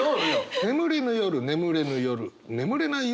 「眠れぬ夜」「眠れぬ夜」「眠れない夜」